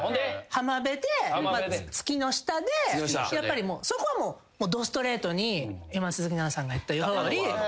浜辺で月の下でやっぱりそこはもうどストレートに今鈴木奈々さんが言ったようにナチュラルに。